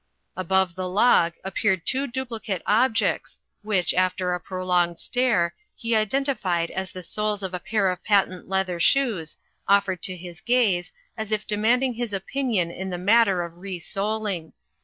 Above the log appeared two duplicate objects, which, after a prolonged stare, he identified as the soles of a pair of patent leather shoes, offered to his gaze, as if demanding his opinion in the matter of resoling.